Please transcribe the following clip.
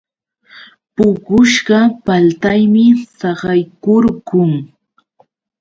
Puqushqa paltaymi saqaykurqun.